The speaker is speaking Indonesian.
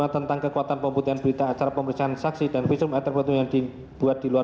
tentang kekuatan pembutihan berita acara pemeriksaan saksi dan visum yang terbentuknya dibuat di luar